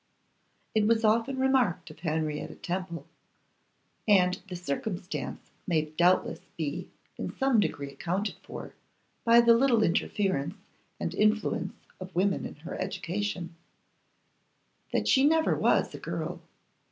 It was often remarked of Henrietta Temple (and the circumstance may doubtless be in some degree accounted for by the little interference and influence of women in her education) that she never was a girl.